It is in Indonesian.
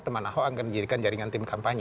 teman ahok akan dijadikan jaringan tim kampanye